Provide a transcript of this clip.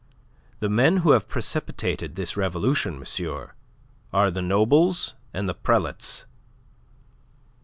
The men who have precipitated this revolution, monsieur, are the nobles and the prelates."